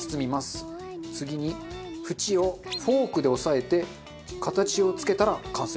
次に縁をフォークで押さえて形をつけたら完成。